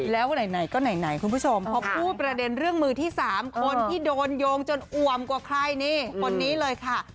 แล้วไหนก็ไหนคุณผู้ชมพอพูดประเด็นเรื่องมือที่๓คนที่โดนโยงจนอวมกว่าใครนี่คนนี้เลยค่ะ